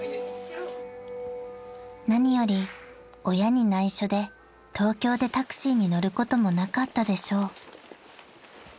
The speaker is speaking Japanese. ［何より親に内緒で東京でタクシーに乗ることもなかったでしょう］